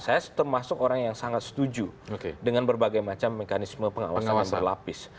saya termasuk orang yang sangat setuju dengan berbagai macam mekanisme pengawasan yang berlapis